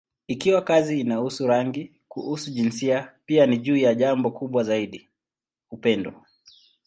Ikiwa kazi inahusu rangi, kuhusu jinsia, pia ni juu ya jambo kubwa zaidi: upendo.